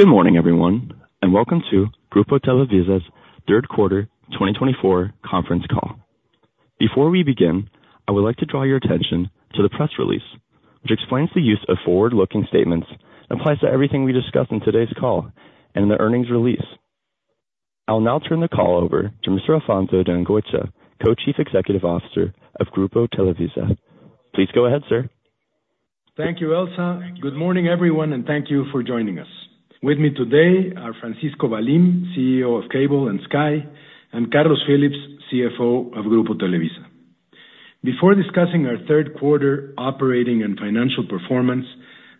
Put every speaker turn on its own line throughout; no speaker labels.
Good morning, everyone, and welcome to Grupo Televisa's third quarter 2024 conference call. Before we begin, I would like to draw your attention to the press release, which explains the use of forward-looking statements, applies to everything we discuss in today's call and in the earnings release. I'll now turn the call over to Mr. Alfonso de Angoitia, Co-Chief Executive Officer of Grupo Televisa. Please go ahead, sir.
Thank you, Elsa. Good morning, everyone, and thank you for joining us. With me today are Francisco Valim, CEO of Cable and Sky, and Carlos Phillips, CFO of Grupo Televisa. Before discussing our third quarter operating and financial performance,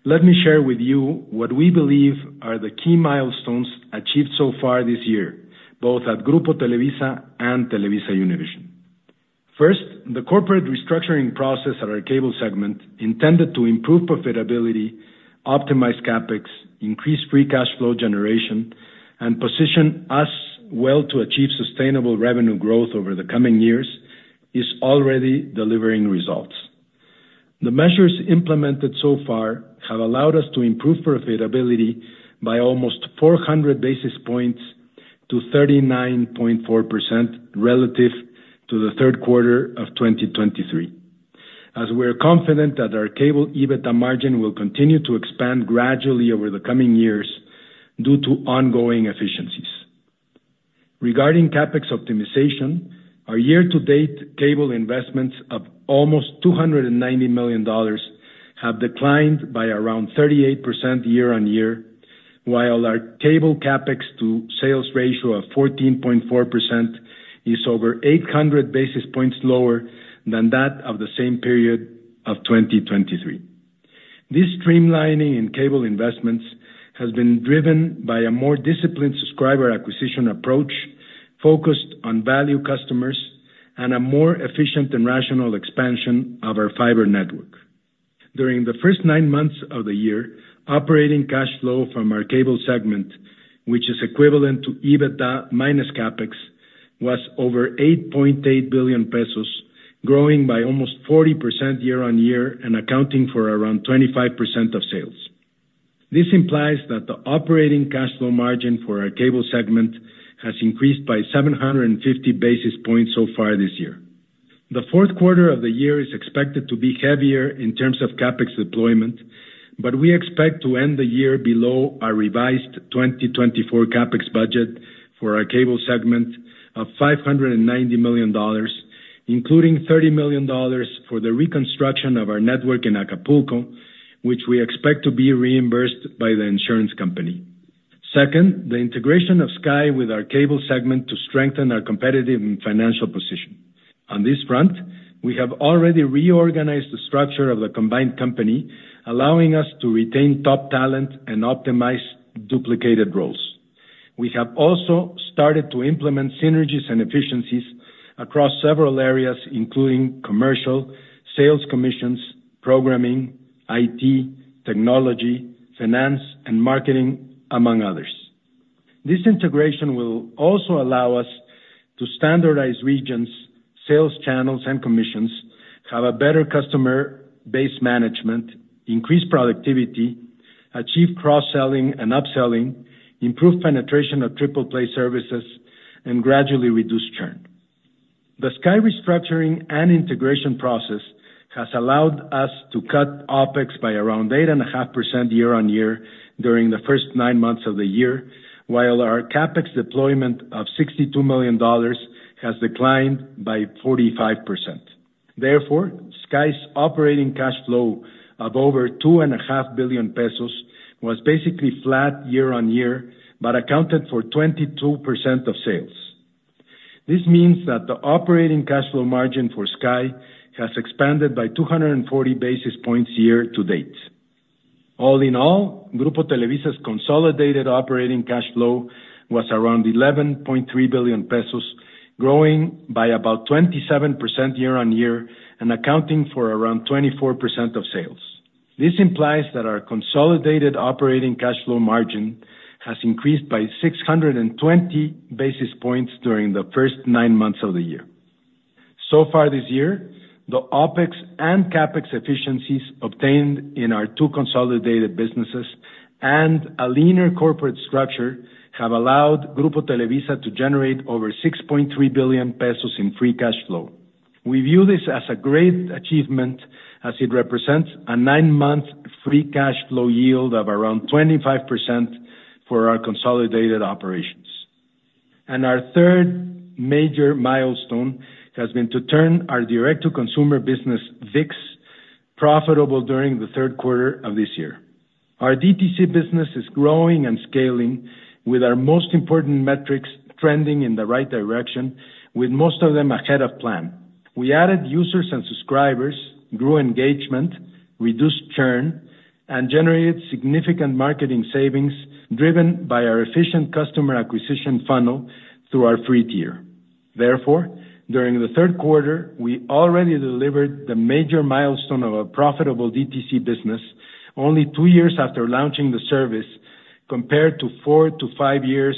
let me share with you what we believe are the key milestones achieved so far this year, both at Grupo Televisa and TelevisaUnivision. First, the corporate restructuring process at our cable segment, intended to improve profitability, optimize CapEx, increase free cash flow generation, and position us well to achieve sustainable revenue growth over the coming years, is already delivering results. The measures implemented so far have allowed us to improve profitability by almost 400 basis points to 39.4% relative to the third quarter of 2023, as we are confident that our cable EBITDA margin will continue to expand gradually over the coming years due to ongoing efficiencies. Regarding CapEx optimization, our year-to-date cable investments of almost $290 million have declined by around 38% year-on-year, while our cable CapEx to sales ratio of 14.4% is over 800 basis points lower than that of the same period of 2023. This streamlining in cable investments has been driven by a more disciplined subscriber acquisition approach, focused on value customers and a more efficient and rational expansion of our fiber network. During the first nine months of the year, operating cash flow from our cable segment, which is equivalent to EBITDA minus CapEx, was over 8.8 billion pesos, growing by almost 40% year-on-year and accounting for around 25% of sales. This implies that the operating cash flow margin for our cable segment has increased by 750 basis points so far this year. The fourth quarter of the year is expected to be heavier in terms of CapEx deployment, but we expect to end the year below our revised 2024 CapEx budget for our cable segment of $590 million, including $30 million for the reconstruction of our network in Acapulco, which we expect to be reimbursed by the insurance company. Second, the integration of Sky with our cable segment to strengthen our competitive and financial position. On this front, we have already reorganized the structure of the combined company, allowing us to retain top talent and optimize duplicated roles. We have also started to implement synergies and efficiencies across several areas, including commercial, sales commissions, programming, IT, technology, finance, and marketing, among others. This integration will also allow us to standardize regions, sales channels and commissions, have a better customer base management, increase productivity, achieve cross-selling and upselling, improve penetration of triple play services, and gradually reduce churn. The Sky restructuring and integration process has allowed us to cut OpEx by around 8.5% year-on-year during the first nine months of the year, while our CapEx deployment of $62 million has declined by 45%. Therefore, Sky's operating cash flow of over 2.5 billion pesos was basically flat year-on-year, but accounted for 22% of sales. This means that the operating cash flow margin for Sky has expanded by 240 basis points year to date. All in all, Grupo Televisa's consolidated operating cash flow was around 11.3 billion pesos, growing by about 27% year-on-year and accounting for around 24% of sales. This implies that our consolidated operating cash flow margin has increased by 620 basis points during the first nine months of the year. So far this year, the OpEx and CapEx efficiencies obtained in our two consolidated businesses and a leaner corporate structure have allowed Grupo Televisa to generate over 6.3 billion pesos in free cash flow. We view this as a great achievement, as it represents a nine-month free cash flow yield of around 25% for our consolidated operations. Our third major milestone has been to turn our direct-to-consumer business, ViX, profitable during the third quarter of this year. Our DTC business is growing and scaling, with our most important metrics trending in the right direction, with most of them ahead of plan. We added users and subscribers, grew engagement, reduced churn, and generated significant marketing savings, driven by our efficient customer acquisition funnel through our free tier. Therefore, during the third quarter, we already delivered the major milestone of a profitable DTC business only two years after launching the service, compared to four to five years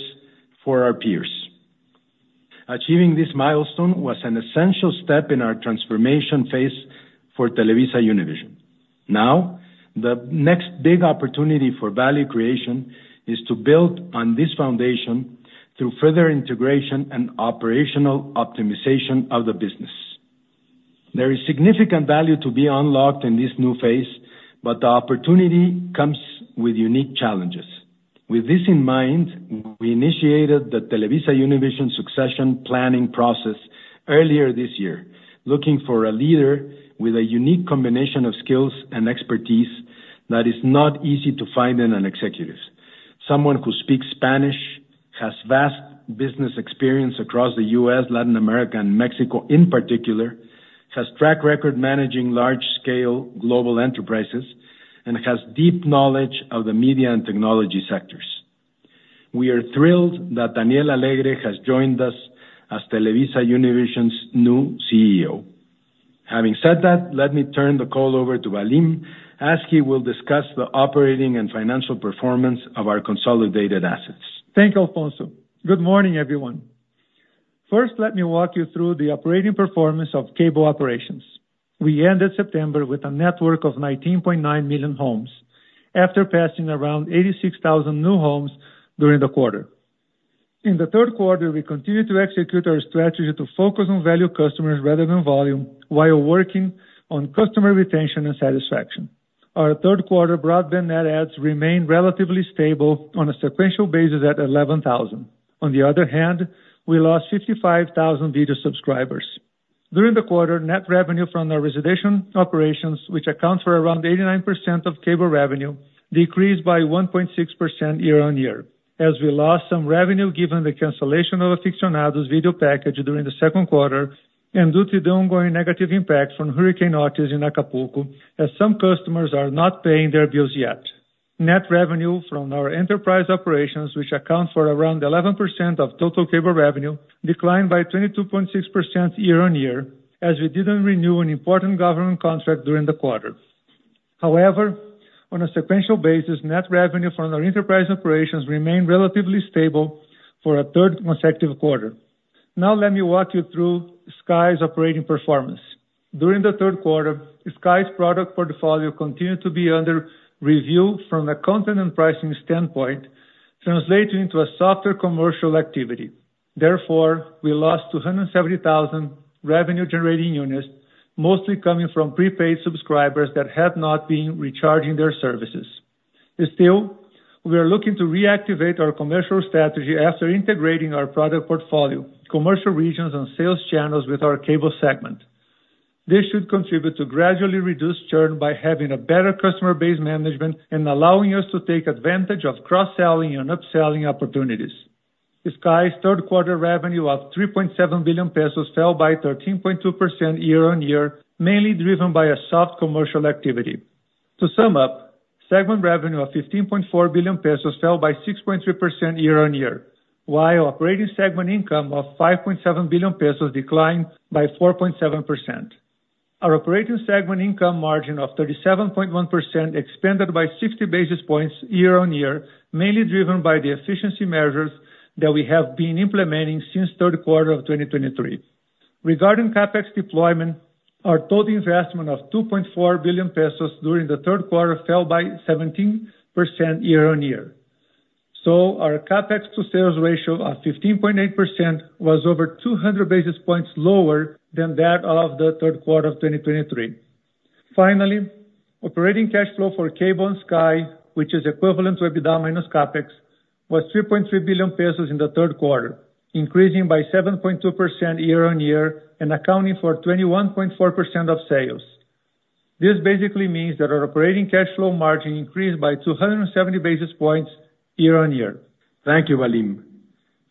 for our peers. Achieving this milestone was an essential step in our transformation phase for TelevisaUnivision. Now, the next big opportunity for value creation is to build on this foundation through further integration and operational optimization of the business. There is significant value to be unlocked in this new phase, but the opportunity comes with unique challenges. With this in mind, we initiated the TelevisaUnivision succession planning process earlier this year, looking for a leader with a unique combination of skills and expertise that is not easy to find in an executive. Someone who speaks Spanish, has vast business experience across the U.S., Latin America, and Mexico in particular, has track record managing large scale global enterprises, and has deep knowledge of the media and technology sectors. We are thrilled that Daniel Alegre has joined us as TelevisaUnivision's new CEO. Having said that, let me turn the call over to Valim, as he will discuss the operating and financial performance of our consolidated assets.
Thank you, Alfonso. Good morning, everyone. First, let me walk you through the operating performance of cable operations. We ended September with a network of 19.9 million homes, after passing around 86,000 new homes during the quarter. In the third quarter, we continued to execute our strategy to focus on value customers rather than volume, while working on customer retention and satisfaction. Our third quarter broadband net adds remained relatively stable on a sequential basis at 11,000. On the other hand, we lost 55,000 video subscribers. During the quarter, net revenue from our residential operations, which account for around 89% of cable revenue, decreased by 1.6% year-on-year, as we lost some revenue given the cancellation of Aficionados video package during the second quarter, and due to the ongoing negative impact from Hurricane Otis in Acapulco, as some customers are not paying their bills yet. Net revenue from our enterprise operations, which account for around 11% of total cable revenue, declined by 22.6% year-on-year, as we didn't renew an important government contract during the quarter. However, on a sequential basis, net revenue from our enterprise operations remained relatively stable for a third consecutive quarter. Now let me walk you through Sky's operating performance. During the third quarter, Sky's product portfolio continued to be under review from a content and pricing standpoint, translating to a softer commercial activity. Therefore, we lost 270,000 revenue generating units, mostly coming from prepaid subscribers that have not been recharging their services. Still, we are looking to reactivate our commercial strategy after integrating our product portfolio, commercial regions and sales channels with our cable segment. This should contribute to gradually reduce churn by having a better customer base management and allowing us to take advantage of cross-selling and upselling opportunities. Sky's third quarter revenue of 3.7 billion pesos fell by 13.2% year-on-year, mainly driven by a soft commercial activity. To sum up, segment revenue of 15.4 billion pesos fell by 6.3% year-on-year, while operating segment income of 5.7 billion pesos declined by 4.7%. Our operating segment income margin of 37.1% expanded by 60 basis points year-on-year, mainly driven by the efficiency measures that we have been implementing since third quarter of 2023. Regarding CapEx deployment, our total investment of 2.4 billion pesos during the third quarter fell by 17% year-on-year, so our CapEx to sales ratio of 15.8% was over 200 basis points lower than that of the third quarter of 2023. Finally, operating cash flow for Cable and Sky, which is equivalent to EBITDA minus CapEx, was 3.3 billion pesos in the third quarter, increasing by 7.2% year-on-year and accounting for 21.4% of sales. This basically means that our operating cash flow margin increased by 270 basis points year-on-year.
Thank you, Valim.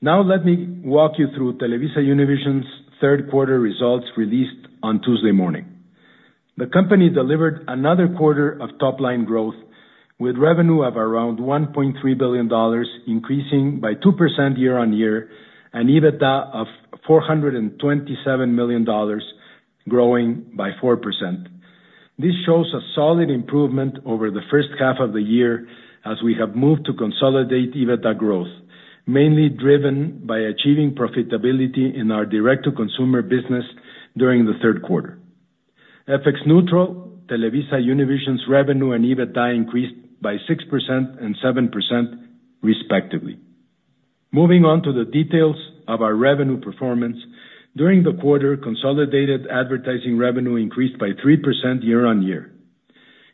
Now let me walk you through TelevisaUnivision's third quarter results released on Tuesday morning. The company delivered another quarter of top-line growth, with revenue of around $1.3 billion, increasing by 2% year-on-year, and EBITDA of $427 million, growing by 4%. This shows a solid improvement over the first half of the year as we have moved to consolidate EBITDA growth, mainly driven by achieving profitability in our direct-to-consumer business during the third quarter. FX neutral, TelevisaUnivision's revenue and EBITDA increased by 6% and 7%, respectively. Moving on to the details of our revenue performance. During the quarter, consolidated advertising revenue increased by 3% year-on-year.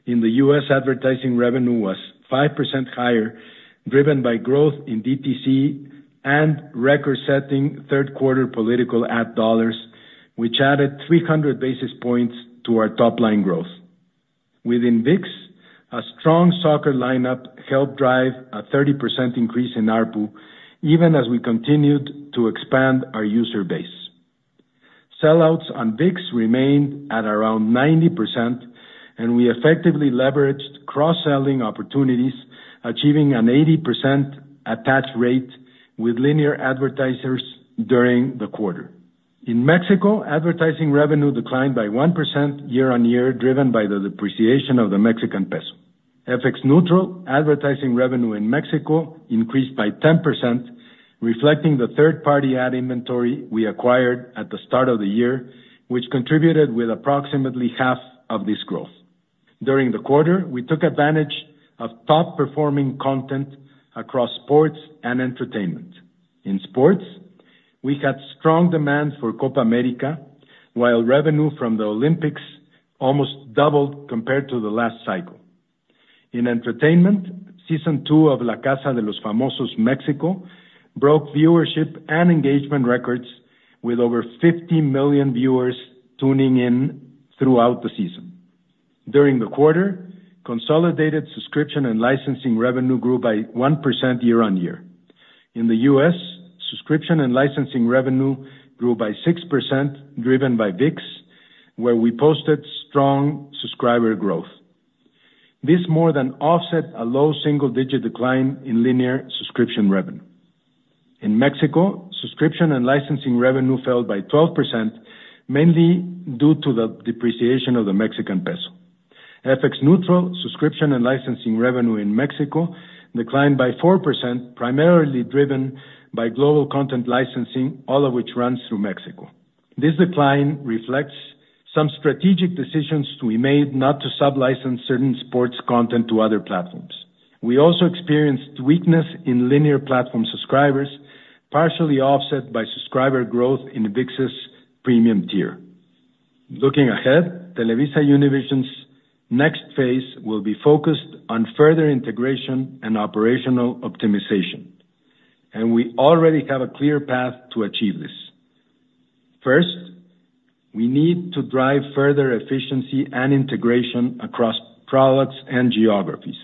In the U.S., advertising revenue was 5% higher, driven by growth in DTC and record-setting third quarter political ad dollars, which added three hundred basis points to our top line growth. Within ViX, a strong soccer lineup helped drive a 30% increase in ARPU, even as we continued to expand our user base. Sellouts on ViX remained at around 90%, and we effectively leveraged cross-selling opportunities, achieving an 80% attach rate with linear advertisers during the quarter. In Mexico, advertising revenue declined by 1% year-on-year, driven by the depreciation of the Mexican peso. FX neutral advertising revenue in Mexico increased by 10%, reflecting the third-party ad inventory we acquired at the start of the year, which contributed with approximately half of this growth. During the quarter, we took advantage of top-performing content across sports and entertainment. In sports, we had strong demand for Copa América, while revenue from the Olympics almost doubled compared to the last cycle. In entertainment, season two of La Casa de los Famosos México broke viewership and engagement records with over 50 million viewers tuning in throughout the season. During the quarter, consolidated subscription and licensing revenue grew by 1% year-on-year. In the US, subscription and licensing revenue grew by 6%, driven by ViX, where we posted strong subscriber growth. This more than offset a low single-digit decline in linear subscription revenue. In Mexico, subscription and licensing revenue fell by 12%, mainly due to the depreciation of the Mexican peso. FX neutral subscription and licensing revenue in Mexico declined by 4%, primarily driven by global content licensing, all of which runs through Mexico. This decline reflects some strategic decisions we made not to sublicense certain sports content to other platforms. We also experienced weakness in linear platform subscribers, partially offset by subscriber growth in the ViX's premium tier. Looking ahead, TelevisaUnivision's next phase will be focused on further integration and operational optimization, and we already have a clear path to achieve this. First, we need to drive further efficiency and integration across products and geographies.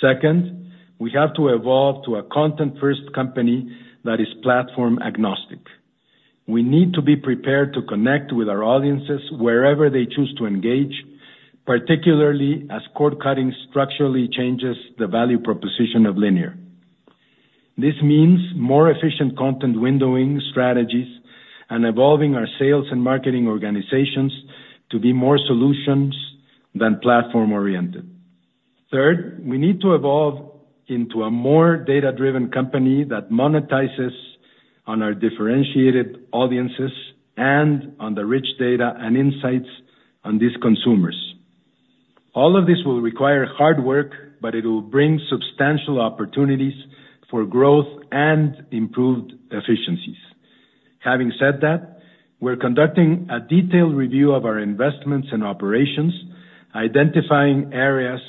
Second, we have to evolve to a content-first company that is platform agnostic. We need to be prepared to connect with our audiences wherever they choose to engage, particularly as cord-cutting structurally changes the value proposition of linear. This means more efficient content windowing strategies and evolving our sales and marketing organizations to be more solutions than platform-oriented. Third, we need to evolve into a more data-driven company that monetizes on our differentiated audiences and on the rich data and insights on these consumers. All of this will require hard work, but it will bring substantial opportunities for growth and improved efficiencies. Having said that, we're conducting a detailed review of our investments and operations, identifying areas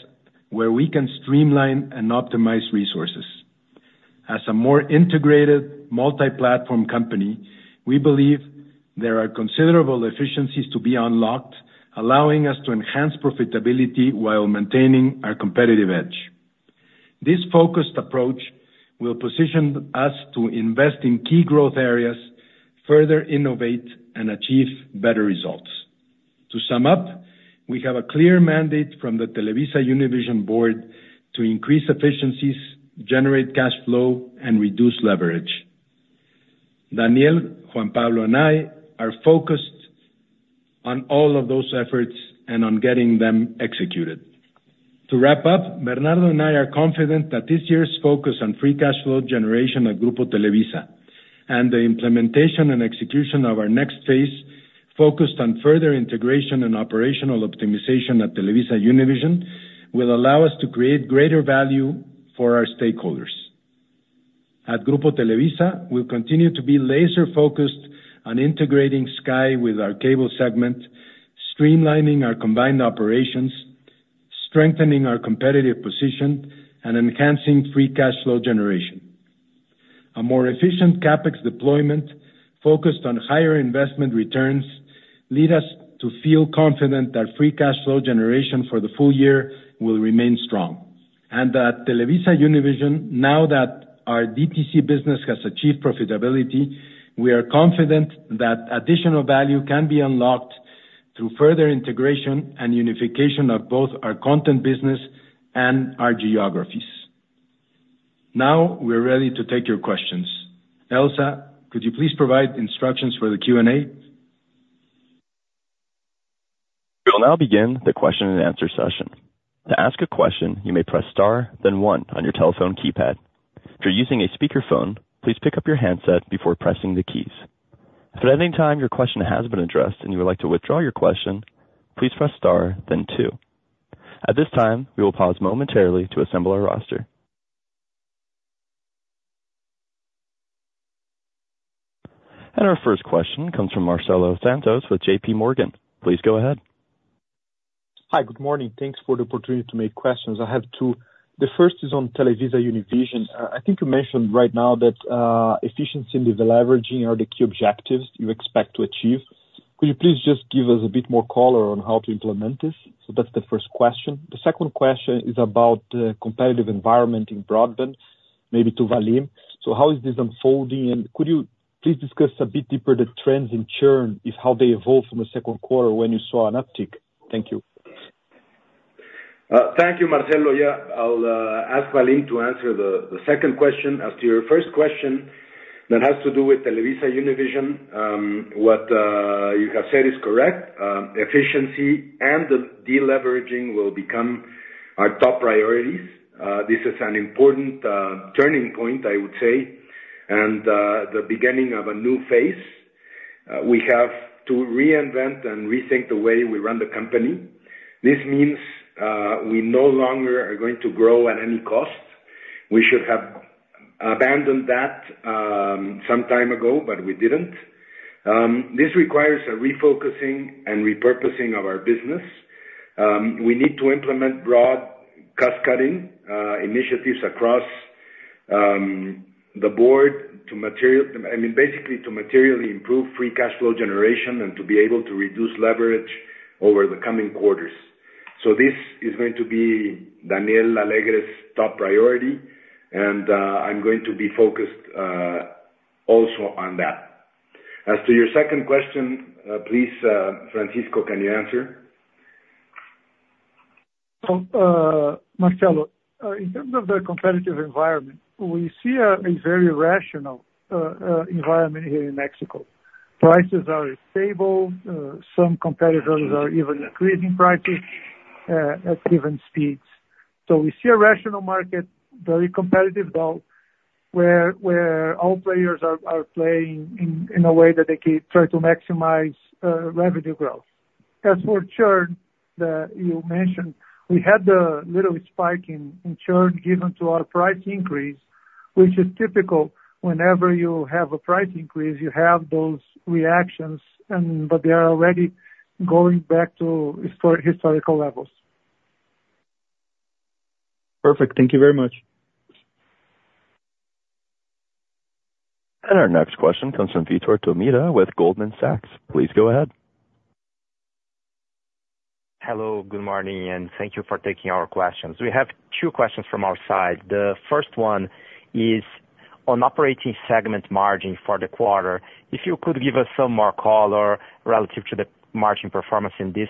where we can streamline and optimize resources. As a more integrated, multi-platform company, we believe there are considerable efficiencies to be unlocked, allowing us to enhance profitability while maintaining our competitive edge. This focused approach will position us to invest in key growth areas, further innovate and achieve better results. To sum up, we have a clear mandate from the TelevisaUnivision board to increase efficiencies, generate cash flow, and reduce leverage. Daniel, Juan Pablo, and I are focused on all of those efforts and on getting them executed. To wrap up, Bernardo and I are confident that this year's focus on free cash flow generation at Grupo Televisa and the implementation and execution of our next phase, focused on further integration and operational optimization at TelevisaUnivision, will allow us to create greater value for our stakeholders. At Grupo Televisa, we'll continue to be laser-focused on integrating Sky with our cable segment, streamlining our combined operations, strengthening our competitive position, and enhancing free cash flow generation. A more efficient CapEx deployment focused on higher investment returns lead us to feel confident that free cash flow generation for the full year will remain strong. And at TelevisaUnivision, now that our DTC business has achieved profitability, we are confident that additional value can be unlocked through further integration and unification of both our content business and our geographies. Now we're ready to take your questions. Elsa, could you please provide instructions for the Q&A?
We will now begin the question-and-answer session. To ask a question, you may press star, then one on your telephone keypad. If you're using a speakerphone, please pick up your handset before pressing the keys. If at any time your question has been addressed and you would like to withdraw your question, please press star then two. At this time, we will pause momentarily to assemble our roster. And our first question comes from Marcelo Santos with JPMorgan. Please go ahead.
Hi, good morning. Thanks for the opportunity to make questions. I have two. The first is on TelevisaUnivision. I think you mentioned right now that, efficiency and deleveraging are the key objectives you expect to achieve. Could you please just give us a bit more color on how to implement this? So that's the first question. The second question is about the competitive environment in broadband, maybe to Valim. So how is this unfolding? And could you please discuss a bit deeper the trends in churn, is how they evolved from the second quarter when you saw an uptick? Thank you.
Thank you, Marcelo. Yeah, I'll ask Valim to answer the second question. As to your first question, that has to do with TelevisaUnivision. What you have said is correct. Efficiency and the deleveraging will become our top priorities. This is an important turning point, I would say, and the beginning of a new phase. We have to reinvent and rethink the way we run the company. This means we no longer are going to grow at any cost. We should have abandoned that some time ago, but we didn't. This requires a refocusing and repurposing of our business. We need to implement broad cost-cutting initiatives across the board to I mean, basically, to materially improve free cash flow generation and to be able to reduce leverage over the coming quarters. So this is going to be Daniel Alegre's top priority, and, I'm going to be focused, also on that. As to your second question, please, Francisco, can you answer?
So, Marcelo, in terms of the competitive environment, we see a very rational environment here in Mexico. Prices are stable, some competitors are even increasing prices at different speeds. So we see a rational market, very competitive, though, where all players are playing in a way that they can try to maximize revenue growth. As for churn that you mentioned, we had a little spike in churn given to our price increase, which is typical. Whenever you have a price increase, you have those reactions and, but they are already going back to historical levels.
Perfect. Thank you very much.
Our next question comes from Vitor Tomita with Goldman Sachs. Please go ahead.
Hello, good morning, and thank you for taking our questions. We have two questions from our side. The first one is on operating segment margin for the quarter. If you could give us some more color relative to the margin performance in this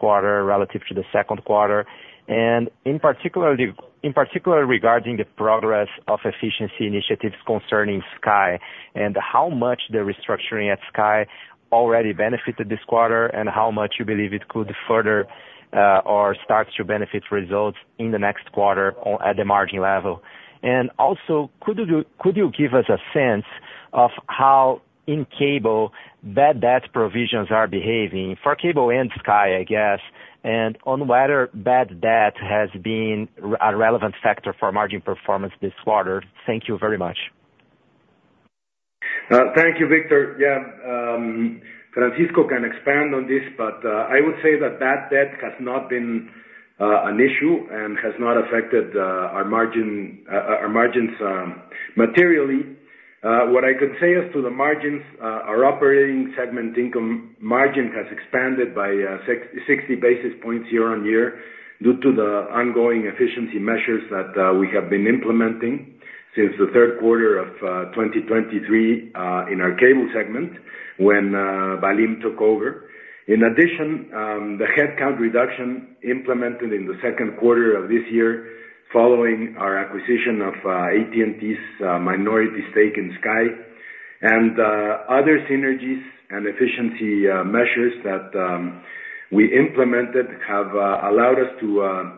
quarter relative to the second quarter, and in particular, regarding the progress of efficiency initiatives concerning Sky, and how much the restructuring at Sky already benefited this quarter, and how much you believe it could further or start to benefit results in the next quarter at the margin level? And also, could you give us a sense of how in cable bad debt provisions are behaving for Cable and Sky, I guess, and on whether bad debt has been a relevant factor for margin performance this quarter? Thank you very much.
Thank you, Vitor. Yeah, Francisco can expand on this, but I would say that bad debt has not been an issue and has not affected our margins materially. What I could say as to the margins, our operating segment income margin has expanded by sixty basis points year-on-year, due to the ongoing efficiency measures that we have been implementing since the third quarter of 2023, in our cable segment, when Valim took over. In addition, the headcount reduction implemented in the second quarter of this year, following our acquisition of AT&T's minority stake in Sky, and other synergies and efficiency measures that we implemented, have allowed us to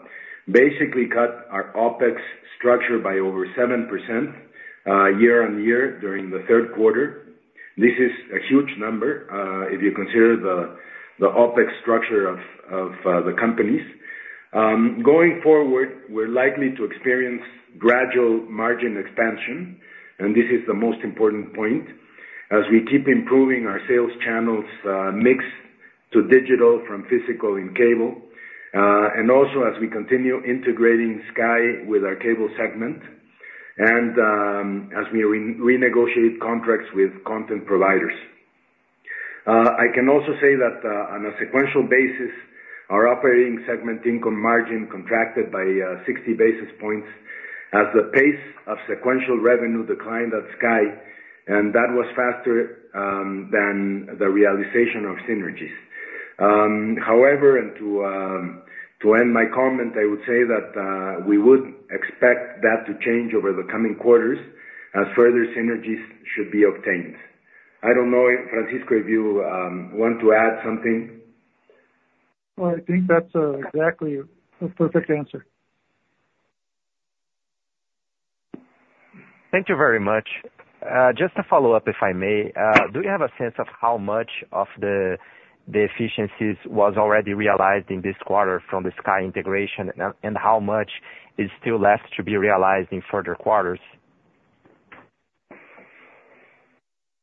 basically cut our OpEx structure by over 7%, year-on-year during the third quarter. This is a huge number, if you consider the OpEx structure of the companies. Going forward, we're likely to experience gradual margin expansion, and this is the most important point, as we keep improving our sales channels mix to digital from physical and cable, and also as we continue integrating Sky with our cable segment, and as we renegotiate contracts with content providers. I can also say that, on a sequential basis, our operating segment income margin contracted by 60 basis points as the pace of sequential revenue declined at Sky, and that was faster than the realization of synergies. However, and to end my comment, I would say that we would expect that to change over the coming quarters as further synergies should be obtained. I don't know if Francisco if you want to add something?
Well, I think that's exactly a perfect answer.
Thank you very much. Just to follow up, if I may, do you have a sense of how much of the efficiencies was already realized in this quarter from the Sky integration, and how much is still left to be realized in further quarters?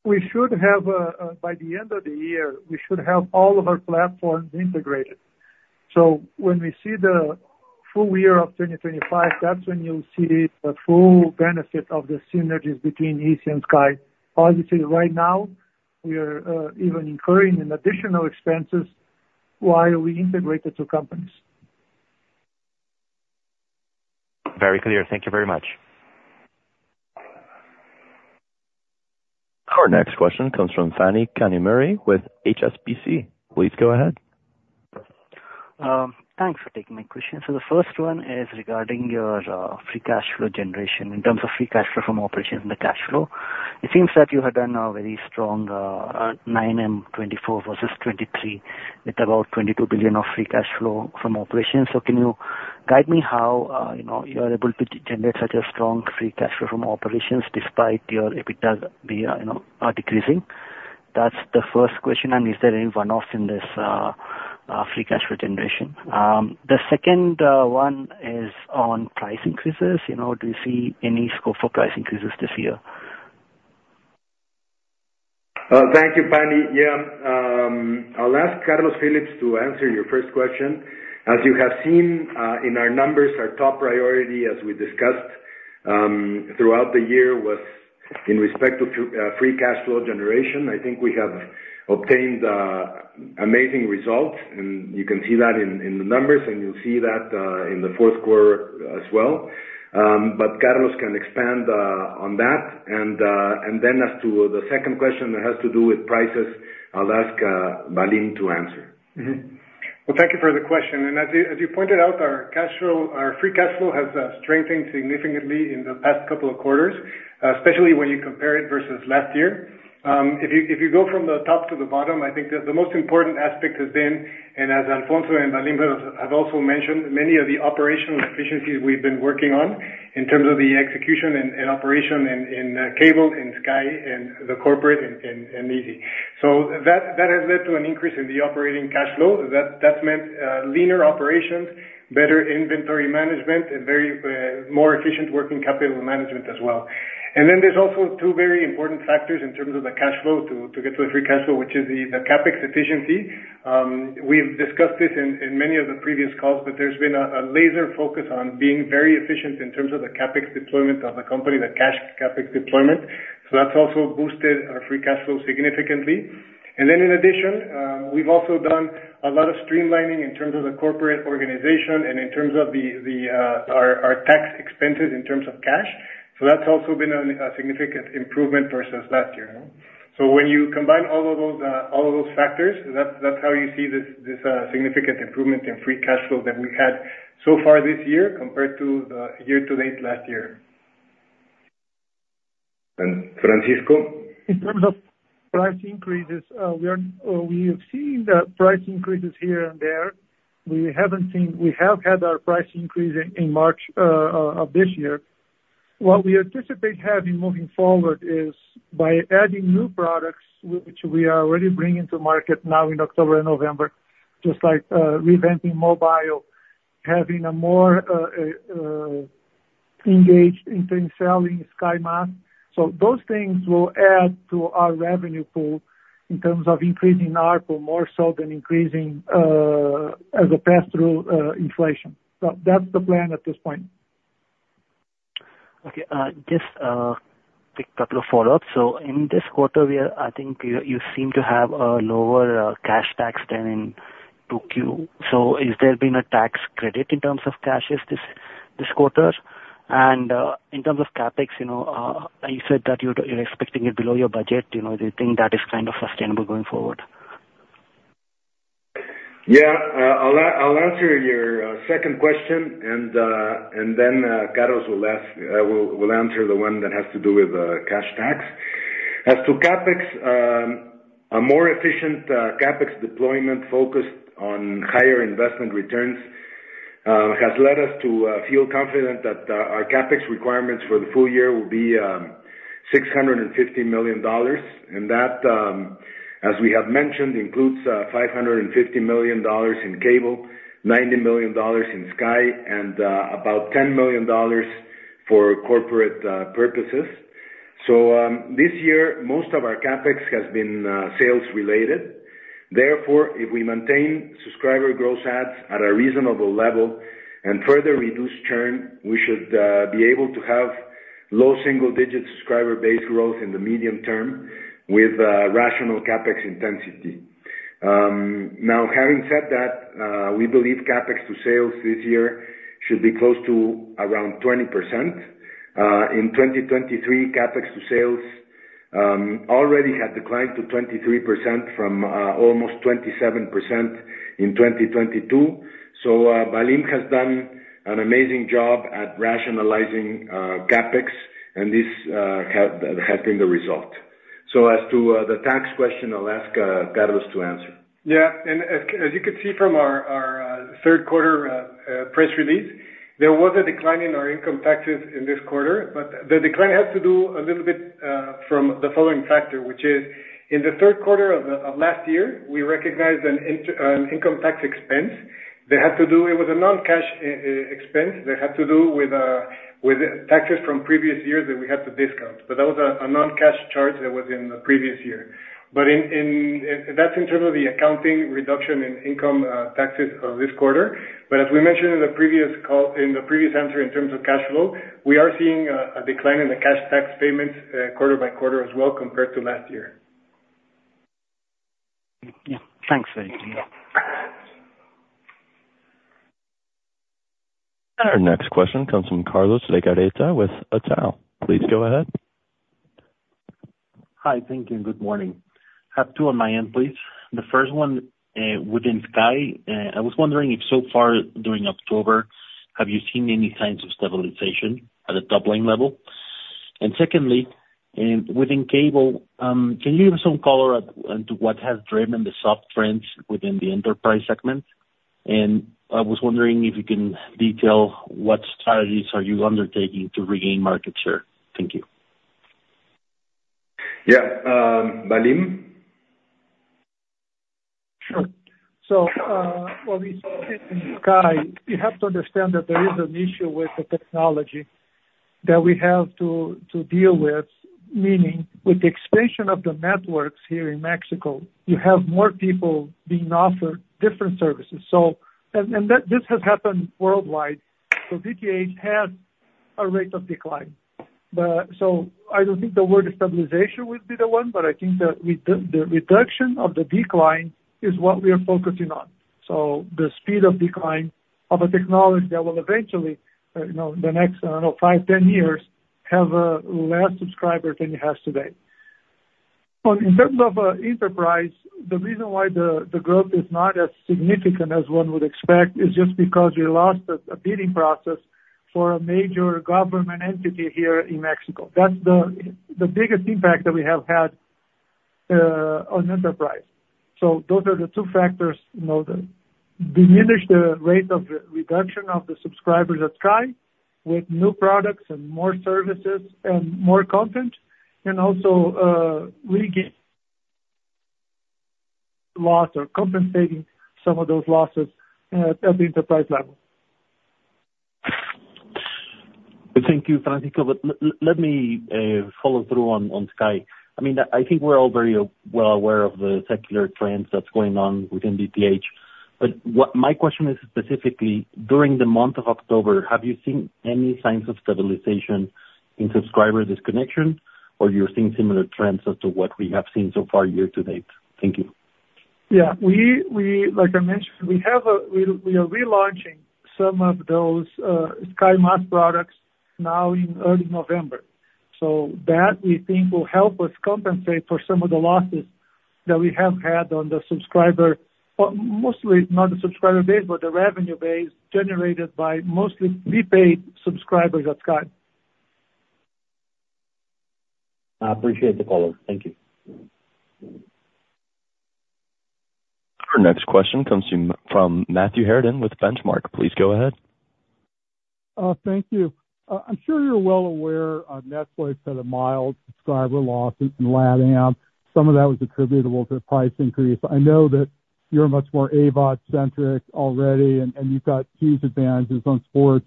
We should have by the end of the year, we should have all of our platforms integrated. So when we see the full year of twenty twenty-five, that's when you'll see the full benefit of the synergies between izzi and Sky. Obviously, right now, we are even incurring in additional expenses while we integrate the two companies.
Very clear. Thank you very much.
Our next question comes from Phani Kanumuri with HSBC. Please go ahead....
Thanks for taking my question. So the first one is regarding your free cash flow generation. In terms of free cash flow from operations and the cash flow, it seems that you have done a very strong 9 and 24 versus 23, with about 22 billion of free cash flow from operations. So can you guide me how you know you are able to generate such a strong free cash flow from operations despite your EBITDA be you know decreasing? That's the first question. And is there any one-off in this free cash flow generation? The second one is on price increases. You know, do you see any scope for price increases this year?
Thank you, Phani. Yeah, I'll ask Carlos Phillips to answer your first question. As you have seen, in our numbers, our top priority, as we discussed, throughout the year, was in respect to free cash flow generation. I think we have obtained amazing results, and you can see that in the numbers, and you'll see that in the fourth quarter as well. But Carlos can expand on that. And then as to the second question, that has to do with prices, I'll ask Valim to answer.
Mm-hmm. Well, thank you for the question, and as you pointed out, our cash flow, our free cash flow has strengthened significantly in the past couple of quarters, especially when you compare it versus last year. If you go from the top to the bottom, I think the most important aspect has been, and as Alfonso and Valim have also mentioned, many of the operational efficiencies we've been working on in terms of the execution and operation in Cable and Sky and the corporate and izzi. So that has led to an increase in the operating cash flow. That has meant leaner operations, better inventory management, and very more efficient working capital management as well. And then there's also two very important factors in terms of the cash flow to get to a free cash flow, which is the CapEx efficiency. We've discussed this in many of the previous calls, but there's been a laser focus on being very efficient in terms of the CapEx deployment of the company, the cash CapEx deployment. So that's also boosted our free cash flow significantly. And then in addition, we've also done a lot of streamlining in terms of the corporate organization and in terms of our tax expenses in terms of cash. So that's also been a significant improvement versus last year, you know? So when you combine all of those factors, that's how you see this significant improvement in free cash flow that we had so far this year compared to the year to date last year.
And Francisco?
In terms of price increases, we are, we have seen the price increases here and there. We haven't seen. We have had our price increase in, in March of this year. What we anticipate having moving forward is by adding new products, which we are already bringing to market now in October and November, just like, revamping mobile, having a more, engaged in term selling Sky month. So those things will add to our revenue pool in terms of increasing ARPU, more so than increasing, as a pass-through, inflation. So that's the plan at this point.
Okay, just quick couple of follow-ups. So in this quarter, we are, I think you seem to have a lower cash taxes than in 2Q. So has there been a tax credit in terms of cash taxes this quarter? And, in terms of CapEx, you know, you said that you're expecting it below your budget. You know, do you think that is kind of sustainable going forward?
Yeah. I'll answer your second question, and then Carlos will answer the one that has to do with cash tax. As to CapEx, a more efficient CapEx deployment focused on higher investment returns has led us to feel confident that our CapEx requirements for the full year will be $650 million. And that, as we have mentioned, includes $550 million in cable, $90 million in Sky, and about $10 million for corporate purposes. So, this year, most of our CapEx has been sales related. Therefore, if we maintain subscriber gross adds at a reasonable level and further reduce churn, we should be able to have low single-digit subscriber base growth in the medium term with rational CapEx intensity. Now, having said that, we believe CapEx to sales this year should be close to around 20%. In 2023, CapEx to sales already had declined to 23% from almost 27% in 2022. So, Valim has done an amazing job at rationalizing CapEx, and this has been the result. So as to the tax question, I'll ask Carlos to answer.
Yeah. And as you can see from our third quarter press release, there was a decline in our income taxes in this quarter, but the decline has to do a little bit from the following factor, which is in the third quarter of last year, we recognized an income tax expense that had to do. It was a non-cash expense, that had to do with taxes from previous years that we had to discount. So that was a non-cash charge that was in the previous year. But that's in terms of the accounting reduction in income taxes this quarter. But as we mentioned in the previous call, in the previous answer, in terms of cash flow, we are seeing a decline in the cash tax payments, quarter by quarter as well, compared to last year.
Yeah. Thanks very much....
Our next question comes from Carlos Legarreta with Itaú BBA. Please go ahead.
Hi. Thank you, and good morning. I have two on my end, please. The first one, within Sky, I was wondering if so far during October, have you seen any signs of stabilization at the top-line level? And secondly, within Cable, can you give some color into what has driven the soft trends within the enterprise segment? And I was wondering if you can detail what strategies are you undertaking to regain market share. Thank you.
Yeah, Valim?
Sure. Well, in Sky, you have to understand that there is an issue with the technology that we have to deal with, meaning with the expansion of the networks here in Mexico, you have more people being offered different services. This has happened worldwide. DTH has a rate of decline. But I don't think the word stabilization would be the one, but I think that the reduction of the decline is what we are focusing on. The speed of decline of a technology that will eventually, you know, the next, I don't know, five, 10 years, have less subscribers than it has today. But in terms of enterprise, the reason why the growth is not as significant as one would expect is just because we lost a bidding process for a major government entity here in Mexico. That's the biggest impact that we have had on enterprise. So those are the two factors, you know, that diminish the rate of the reduction of the subscribers at Sky, with new products and more services and more content, and also regain loss or compensating some of those losses at the enterprise level.
Thank you, Francisco. But let me, follow through on, on Sky. I mean, I think we're all very well aware of the secular trends that's going on within DTH. But what my question is specifically, during the month of October, have you seen any signs of stabilization in subscriber disconnection, or you're seeing similar trends as to what we have seen so far year to date? Thank you.
Yeah, we like I mentioned, we are relaunching some of those Sky México products now in early November. So that, we think, will help us compensate for some of the losses that we have had on the subscriber, but mostly not the subscriber base, but the revenue base generated by mostly prepaid subscribers at Sky.
I appreciate the follow-up. Thank you.
Our next question comes from Matthew Harrigan with Benchmark. Please go ahead.
Thank you. I'm sure you're well aware of Netflix had a mild subscriber loss in LatAm. Some of that was attributable to a price increase. I know that you're much more AVOD centric already, and you've got huge advantages on sports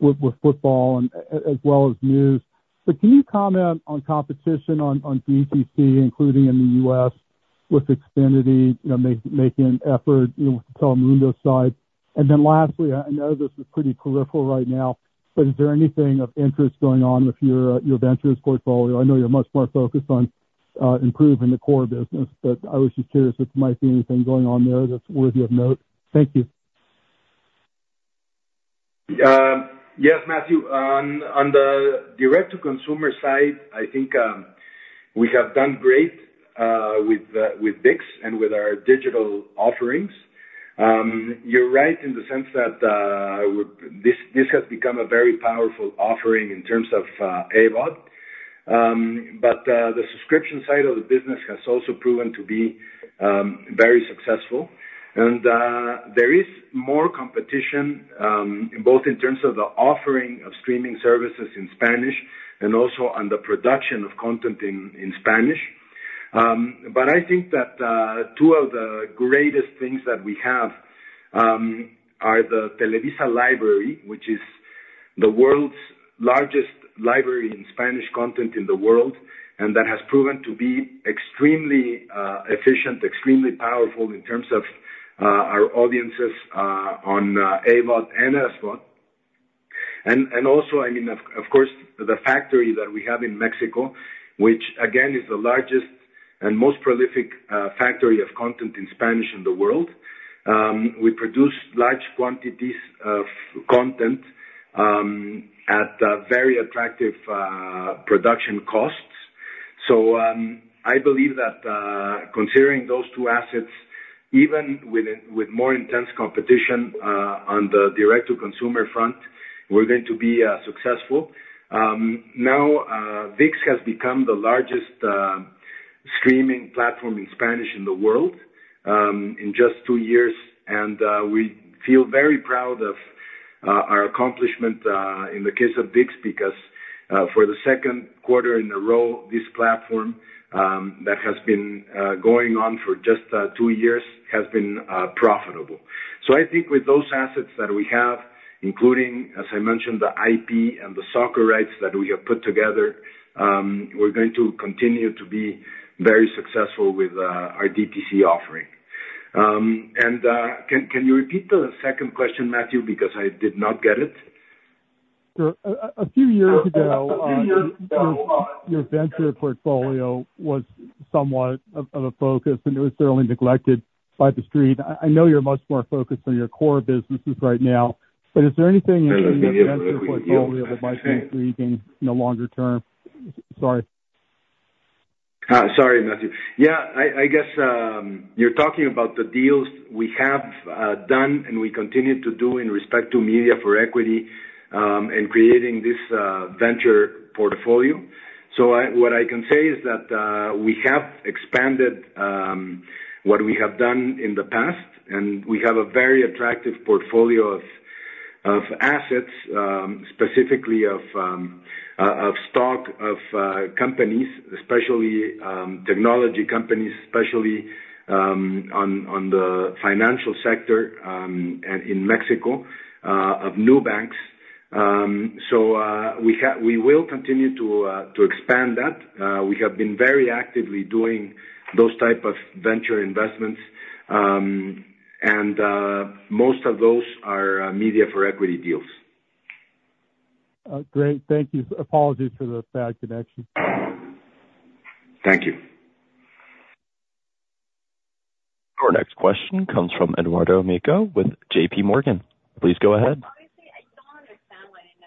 with football and as well as news. But can you comment on competition on DTC, including in the US, with Xfinity, you know, making an effort, you know, on the window side? And then lastly, I know this is pretty peripheral right now, but is there anything of interest going on with your ventures portfolio? I know you're much more focused on improving the core business, but I was just curious if there might be anything going on there that's worthy of note. Thank you.
Yes, Matthew. On the direct-to-consumer side, I think we have done great with ViX and with our digital offerings. You're right in the sense that this has become a very powerful offering in terms of AVOD. But the subscription side of the business has also proven to be very successful. And there is more competition both in terms of the offering of streaming services in Spanish and also on the production of content in Spanish. But I think that two of the greatest things that we have are the Televisa Library, which is the world's largest library in Spanish content in the world, and that has proven to be extremely efficient, extremely powerful in terms of our audiences on AVOD and SVOD. And also, I mean, of course, the factory that we have in Mexico, which again, is the largest and most prolific factory of content in Spanish in the world. We produce large quantities of content at very attractive production costs. I believe that, considering those two assets, even with more intense competition on the direct-to-consumer front, we're going to be successful. Now, ViX has become the largest streaming platform in Spanish in the world, in just two years, and we feel very proud of our accomplishment in the case of ViX, because, for the second quarter in a row, this platform that has been going on for just two years, has been profitable. So I think with those assets that we have, including, as I mentioned, the IP and the soccer rights that we have put together, we're going to continue to be very successful with our DTC offering. And can you repeat the second question, Matthew? Because I did not get it. ...
A few years ago, your venture portfolio was somewhat of a focus, and it was certainly neglected by the street. I know you're much more focused on your core businesses right now, but is there anything in the venture portfolio that might be intriguing in the longer term? Sorry.
Sorry, Matthew. Yeah, I guess you're talking about the deals we have done, and we continue to do in respect to media for equity, and creating this venture portfolio. So what I can say is that we have expanded what we have done in the past, and we have a very attractive portfolio of assets, specifically of stock of companies, especially technology companies, especially on the financial sector, and in Mexico of new banks. So we will continue to expand that. We have been very actively doing those type of venture investments, and most of those are media for equity deals.
Great. Thank you. Apologies for the bad connection.
Thank you.
Our next question comes from Eduardo Aparício with JPMorgan. Please go ahead.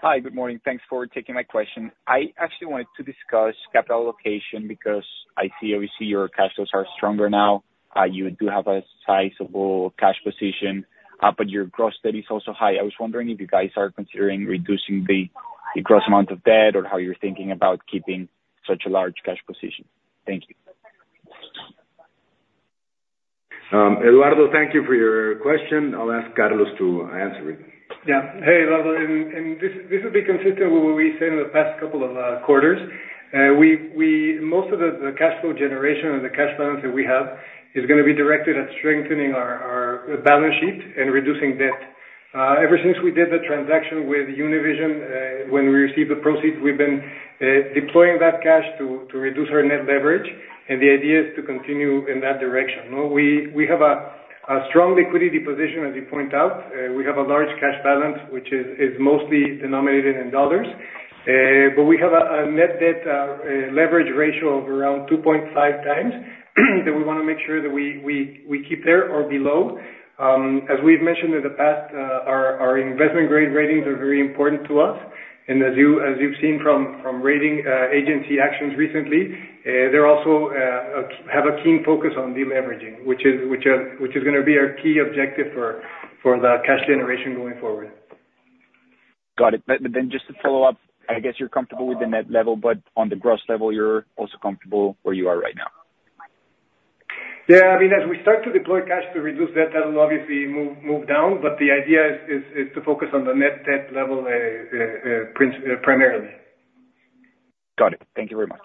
Hi, good morning. Thanks for taking my question. I actually wanted to discuss capital allocation, because I see, obviously, your cash flows are stronger now. You do have a sizable cash position, but your gross debt is also high. I was wondering if you guys are considering reducing the gross amount of debt, or how you're thinking about keeping such a large cash position? Thank you.
Eduardo, thank you for your question. I'll ask Carlos to answer it.
Yeah. Hey, Eduardo, and this would be consistent with what we said in the past couple of quarters. We most of the cash flow generation or the cash balance that we have is gonna be directed at strengthening our balance sheet and reducing debt. Ever since we did the transaction with Univision, when we received the proceeds, we've been deploying that cash to reduce our net leverage, and the idea is to continue in that direction. Well, we have a strong liquidity position, as you point out. We have a large cash balance, which is mostly denominated in dollars. But we have a net debt leverage ratio of around two point five times, that we wanna make sure that we keep there or below. As we've mentioned in the past, our investment grade ratings are very important to us, and as you've seen from rating agency actions recently, they're also have a keen focus on deleveraging, which is gonna be our key objective for the cash generation going forward.
Got it. But then, just to follow up, I guess you're comfortable with the net level, but on the gross level, you're also comfortable where you are right now?
Yeah, I mean, as we start to deploy cash to reduce debt, that'll obviously move down, but the idea is to focus on the net debt level, primarily.
Got it. Thank you very much.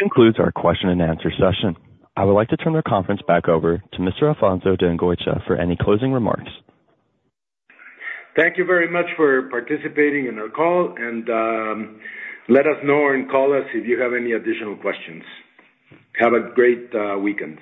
Concludes our question and answer session. I would like to turn the conference back over to Mr. Alfonso de Angoitia for any closing remarks.
Thank you very much for participating in our call, and let us know and call us if you have any additional questions. Have a great weekend.